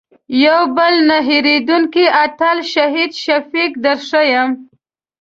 یو بل نه هېرېدونکی اتل شهید شفیق در ښیم.